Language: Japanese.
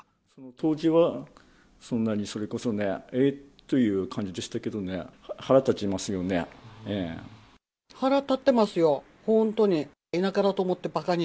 当時は、そんなに、それこそね、えっという感じでしたけどね、腹立ってますよ、本当に。